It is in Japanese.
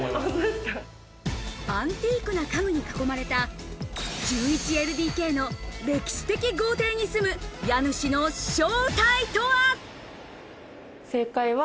アンティーク家具に囲まれた１１ＬＤＫの歴史的豪邸に住む家主の正体とは？